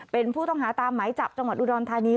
เป็นผู้ต้องหาตามหมายจับจังหวัดอุดรธานี